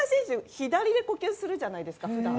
左で呼吸するじゃないですか普段。